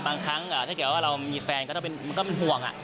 บางครั้งถ้าเรามีแฟนก็ต้องเป็นห่วง